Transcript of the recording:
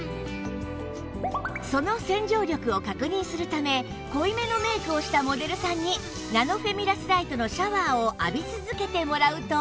その洗浄力を確認するため濃いめのメイクをしたモデルさんにナノフェミラスライトのシャワーを浴び続けてもらうと